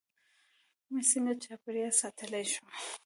موږ څنګه چاپیریال ساتلی شو؟